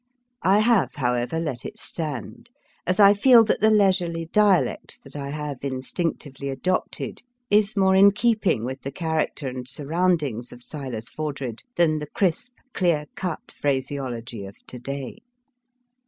I have, however, let it stand, as I feel that the leisurely dialect that I have instinctively adopted is more in keeping with the character and surroundings of Silas Fordred than the crisp, clear cut phraseology of to day.